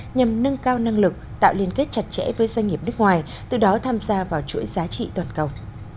nhằm nâng cao năng lực tạo liên kết chặt chẽ với doanh nghiệp nước ngoài từ đó tham gia vào chuỗi giá trị toàn cầu